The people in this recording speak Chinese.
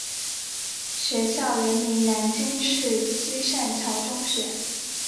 学校原名南京市西善桥中学。